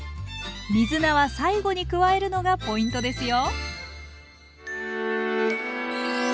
水菜は最後に加えるのがポイントですよ。